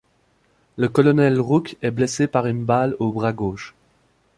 Le colonel Rooke est blessé par une balle au bras gauche.